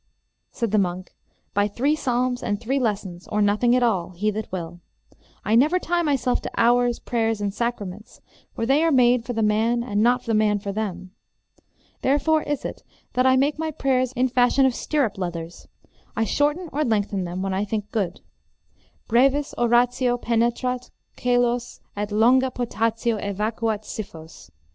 said the monk, by three psalms and three lessons, or nothing at all, he that will. I never tie myself to hours, prayers, and sacraments; for they are made for the man and not the man for them. Therefore is it that I make my prayers in fashion of stirrup leathers; I shorten or lengthen them when I think good. Brevis oratio penetrat caelos et longa potatio evacuat scyphos.